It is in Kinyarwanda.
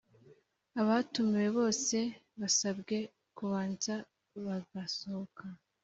Abatumiwe bose basabwe kubanza baga sohoka